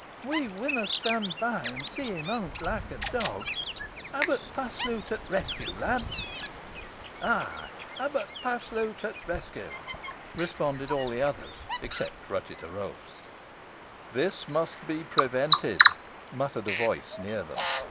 "We winna stond by, an see him hongt loike a dog. Abbut Paslew to t' reskew, lads!" "Eigh, Abbut Paslew to t' reskew!" responded all the others, except Ruchot o' Roaph's. "This must be prevented," muttered a voice near them.